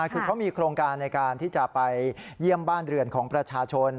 คือเขามีโครงการในการที่จะไปเยี่ยมบ้านเรือนของประชาชน